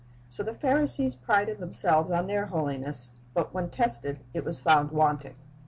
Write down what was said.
So the Pharisees prided themselves on their holiness, but when tested, it was found wanting.